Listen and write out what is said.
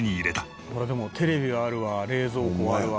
「これでもテレビはあるわ冷蔵庫はあるわ